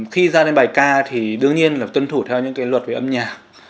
khi ra lên bài ca thì đương nhiên là tuân thủ theo những cái luật về âm nhạc